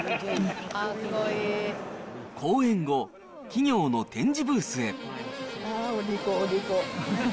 講演後、企業の展示ブースへ。